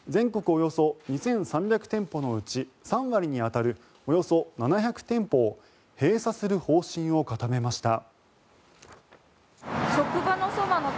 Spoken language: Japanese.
およそ２３００店舗のうち３割に当たるおよそ７００店舗を閉鎖する方針を固めました。